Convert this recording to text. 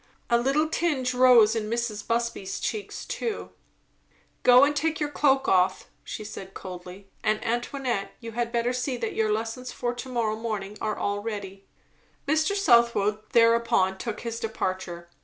A little tinge rose in Mrs. Busby's cheeks too. "Go and take your cloak off," she said coldly. "And Antoinette, you had better see that your lessons for to morrow morning are all ready." Mr. Southwode thereupon took his departure.